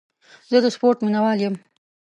زه د سپورټ مینهوال یم.